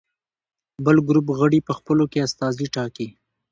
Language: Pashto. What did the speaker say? بل ګروپ غړي په خپلو کې استازي ټاکي.